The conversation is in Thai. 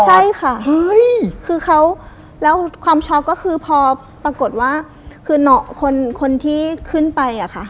ใช่ค่ะคือเขาแล้วความช็อกก็คือพอปรากฏว่าคือเหนาะคนที่ขึ้นไปอะค่ะ